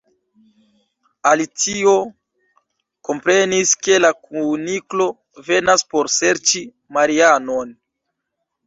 Alicio komprenis ke la Kuniklo venas por serĉi Marianon.